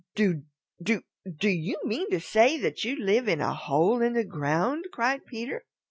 "Do do do you mean to say that you live in a hole in the ground?" cried Peter.